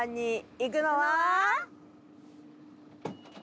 行くのは。